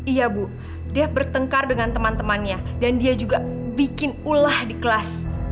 iya bu dia bertengkar dengan teman temannya dan dia juga bikin ulah di kelas